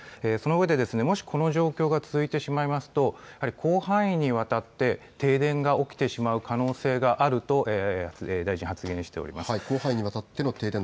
そのうえでもし、この状況が続いてしまいますと広範囲にわたって停電が起きてしまう可能性があると大臣は発言しております。